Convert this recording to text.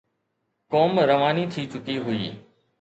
قوم رواني ٿي چڪي هئي.